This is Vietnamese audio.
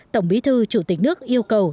tổng bí thư chủ tịch nước yêu cầu